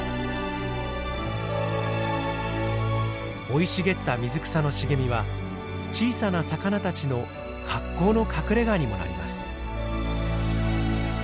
生い茂った水草の茂みは小さな魚たちの格好の隠れがにもなります。